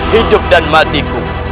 hidup dan matiku